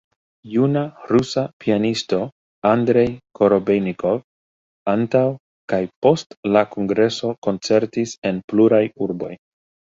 Juna rusa pianisto Andrej Korobejnikov antaŭ kaj post la kongreso koncertis en pluraj urboj.